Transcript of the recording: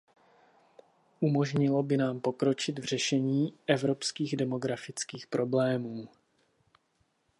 Umožnilo by nám pokročit v řešení evropských demografických problémů.